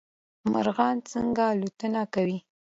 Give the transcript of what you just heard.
مارغان څنګه الوتنې کوی